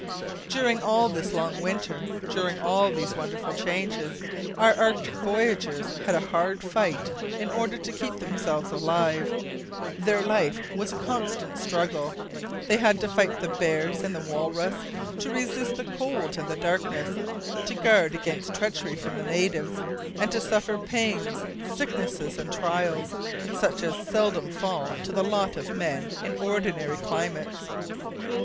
During all this long winter during all these wonderful changes, our Arctic voyagers had a hard fight in order to keep themselves alive. Their life was a constant struggle. They had to fight the bears and the walrus; to resist the cold and the darkness; to guard against treachery from the natives; and to suffer pains, sickness, and trials, such as seldom fall to the lot of men in ordinary climates.